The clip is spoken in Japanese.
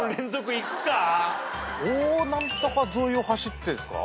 お何とか沿いを走ってるんすか。